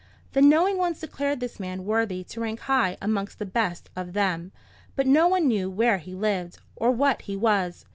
The knowing ones declared this man worthy to rank high amongst the best of them; but no one knew where he lived, or what he was.